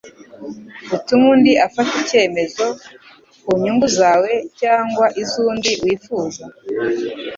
utume undi afata ikemezo ku nyungu zawe, cyangwa iz'undi wifuza.